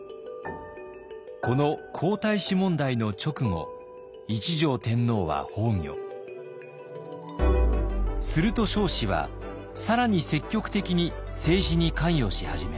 この皇太子問題の直後すると彰子は更に積極的に政治に関与し始めます。